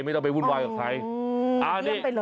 ไม่ต้องไปวุ่นวายกับใคร